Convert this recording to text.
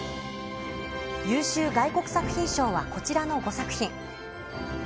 優秀外国作品賞はこちらの５作品。